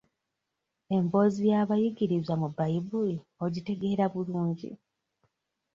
Emboozi y'abayigirizwa mu bbayibuli ogitegeera bulungi?